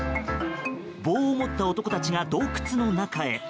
棒を持った男たちが洞窟の中へ。